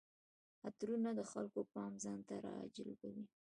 عطرونه د خلکو پام ځان ته راجلبوي.